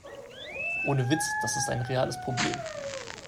Ohne Witz, das ist ein reales Problem.